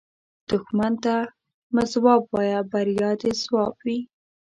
دښمن ته مه ځواب وایه، بریا دې ځواب وي